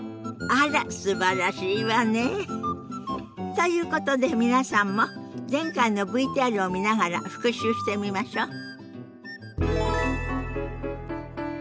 あらすばらしいわね。ということで皆さんも前回のＶＴＲを見ながら復習してみましょ。